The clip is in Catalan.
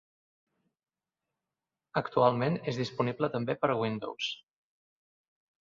Actualment és disponible també per a Windows.